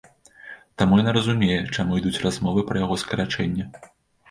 Таму яна разумее, чаму ідуць размовы пра яго скарачэнне.